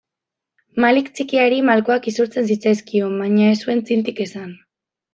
Malik txikiari malkoak isurtzen zitzaizkion baina ez zuen txintik esan.